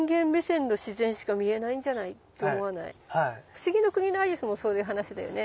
「不思議の国のアリス」もそういう話だよね。